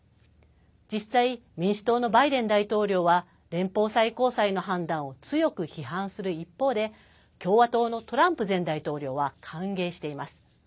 実際、民主党のバイデン大統領は連邦最高裁の判断を強く批判する一方で共和党のトランプ前大統領は歓迎しています。